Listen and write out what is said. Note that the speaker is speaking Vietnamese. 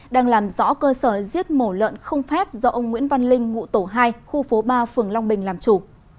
đang làm rõ cơ sở giết mổ lợn không phép do ông nguyễn văn linh ngụ tổ hai khu phố ba phường long bình làm chủ